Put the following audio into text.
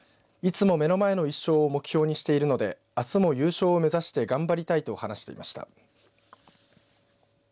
いつも目の前の１勝を目標にしているのであすも優勝を目指して頑張りたいと話していました。